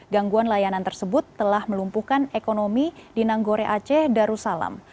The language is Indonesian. gangguan layanan tersebut telah melumpuhkan ekonomi di nanggore aceh darussalam